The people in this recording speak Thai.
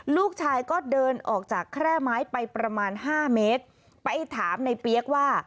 ลูกชายก็เดินออกจากแคร่ไม้ไปประมาณห้าเมตรไปถามในเปี๊ยกว่า